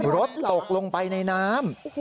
รถตกลงไปในน้ำ